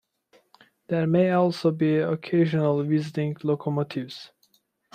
There may also be occasional visiting locomotives.